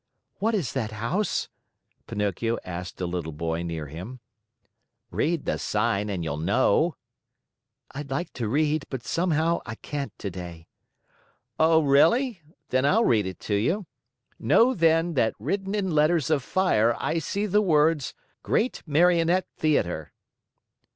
"What is that house?" Pinocchio asked a little boy near him. "Read the sign and you'll know." "I'd like to read, but somehow I can't today." "Oh, really? Then I'll read it to you. Know, then, that written in letters of fire I see the words: GREAT MARIONETTE THEATER.